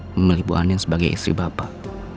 memilih bu anin sebagai istri bapak